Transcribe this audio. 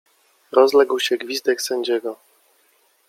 Rozległ się gwizdek sędziego.